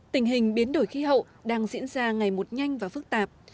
tình hình biến đổi khí hậu đang diễn ra ngày một nhanh và phức tạp